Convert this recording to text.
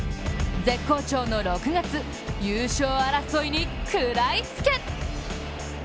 絶好調の６月、優勝争いに食らいつけ！